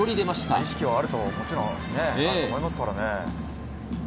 意識はもちろんあると思いますからね。